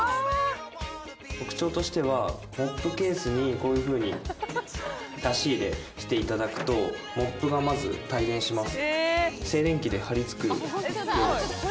特徴としてはモップケースにこういう風に出し入れしていただくとモップがまず帯電します。